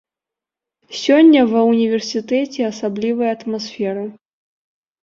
Сёння ва ўніверсітэце асаблівая атмасфера.